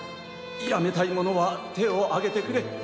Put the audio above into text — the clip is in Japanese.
辞めたい者は手をあげてくれ。